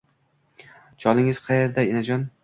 — Cholingiz qayda, enajon?